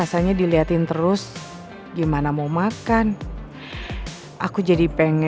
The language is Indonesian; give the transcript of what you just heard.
kalian ngapain disini